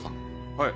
はい。